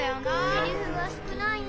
セリフが少ないな。